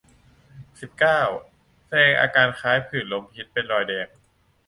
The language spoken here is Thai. สิบเก้า แสดงอาการคล้ายผื่นลมพิษ เป็นรอยแดง